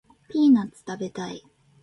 ピーナッツ食べたい